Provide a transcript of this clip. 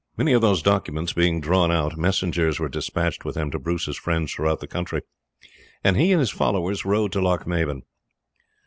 Many of these documents being drawn out, messengers were despatched with them to Bruce's friends throughout the country, and he and his followers rode to Lochmaben.